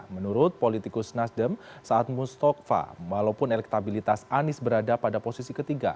menurut politikus nasdem saat mustafa walaupun elektabilitas anies berada pada posisi ketiga